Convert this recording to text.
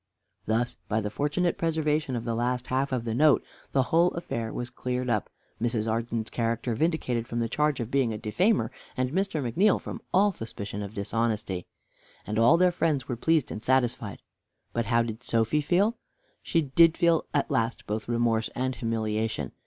Thus by the fortunate preservation of the last half of the note the whole affair was cleared up, Mrs. Arden's character vindicated from the charge of being a defamer, and Mr. McNeal from all suspicion of dishonesty. And all their friends were pleased and satisfied. But how did Sophy feel? She did feel at last both remorse and humiliation.